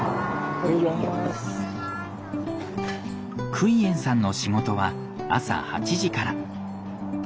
クイエンさんの仕事は朝８時から。